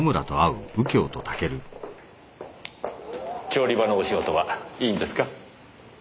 調理場のお仕事はいいんですか？